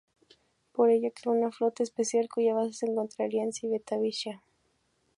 Por ello creó una flota especial cuya base se encontraría en Civitavecchia.